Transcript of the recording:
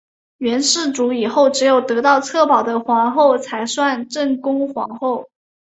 元世祖以后只有得到策宝的皇后才算正宫皇后。